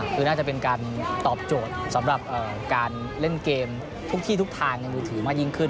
คือน่าจะเป็นการตอบโจทย์สำหรับการเล่นเกมทุกที่ทุกทางในมือถือมากยิ่งขึ้น